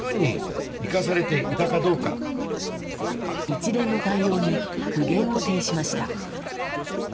一連の対応に苦言を呈しました。